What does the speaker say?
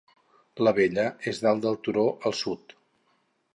La vella és dalt del turó al sud.